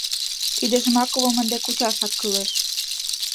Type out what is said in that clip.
Тиде Жмаковым ынде кучашак кӱлеш...